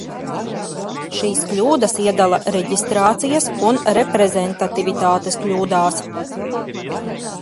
Šīs kļūdas iedala reģistrācijas un reprezentativitātes kļūdās.